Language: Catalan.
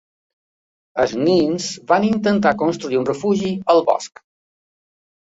Els nens van intentar construir un refugi al bosc